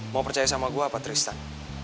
mau percaya sama gue apa tristan